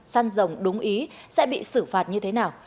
săn rồng đúng ý sẽ bị xử phạt như thế nào